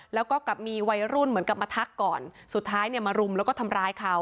แล้วก็กลับมีวัยรุ่นเหมือนกับมาทักก่อนสุดท้ายเนี่ยมารุมแล้วก็ทำร้ายเขา